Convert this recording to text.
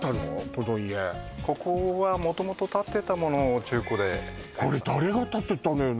この家ここは元々立ってたものを中古でこれ誰が建てたのよ